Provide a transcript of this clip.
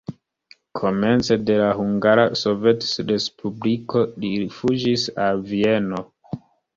Komence de la Hungara Sovetrespubliko li fuĝis al Vieno.